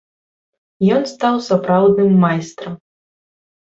Ён стаў сапраўдным майстрам.